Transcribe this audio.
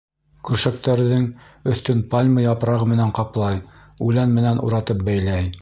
Көршәктәрҙең өҫтөн пальма япрағы менән ҡаплай, үлән менән уратып бәйләй.